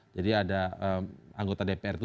jadi ada anggota dpr itu